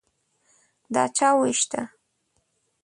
_دا چا ووېشته؟